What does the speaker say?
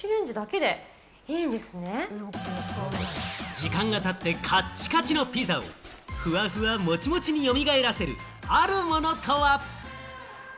時間がたってカチッカチのピザをふわふわモチモチに蘇らせるあるものとは？